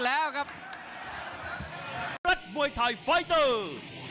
แล้วครับกิดประตูไทยไฟเตอร์